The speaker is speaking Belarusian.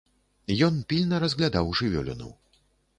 Ён пільна разглядаў жывёліну.